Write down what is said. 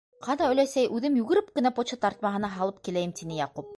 - Ҡана, өләсәй, үҙем йүгереп кенә почта тартмаһына һалып киләйем, - тине Яҡуп.